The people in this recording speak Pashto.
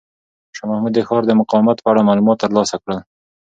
شاه محمود د ښار د مقاومت په اړه معلومات ترلاسه کړل.